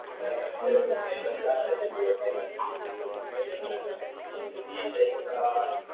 Kundi la kutetea haki za binadamu na afisa mmoja wa eneo hilo alisema Jumatatu kwamba